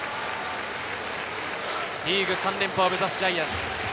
リーグ３連覇を目指すジャイアンツ。